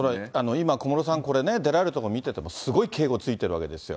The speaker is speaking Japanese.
今、小室さん、これね、出られるとこ見ててもすごい警護ついてるわけですよ。